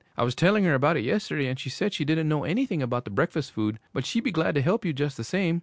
I was telling her about it yesterday, and she said she didn't know anything about the breakfast food, but she'd be glad to help you just the same.'